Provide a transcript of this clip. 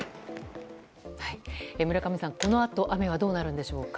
村上さん、このあと雨はどうなるんでしょうか？